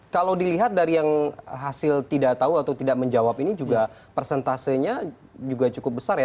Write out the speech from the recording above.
kalau dilihat dari yang hasil tidak tahu atau tidak menjawab ini juga persentasenya juga cukup besar ya